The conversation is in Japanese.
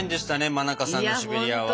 馬中さんのシベリアは。